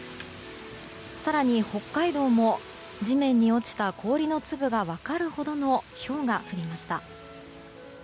更に、北海道も地面に落ちた氷の粒が分かるほどのひょうが降りました。